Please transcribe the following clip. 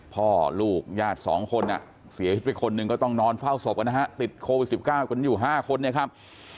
พ่อลูกญาติ๒คนเสียชีวิตไปคนหนึ่งก็ต้องนอนเฝ้าศพกันนะฮะติดโควิด๑๙กันอยู่๕คนนะครับ